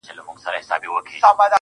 • ستا د غزلونو و شرنګاه ته مخامخ يمه.